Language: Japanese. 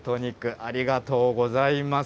ありがとうございます。